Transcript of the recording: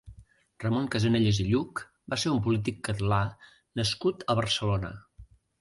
Ramon Casanellas i Lluch va ser un polític catlà nascut a Barcelona.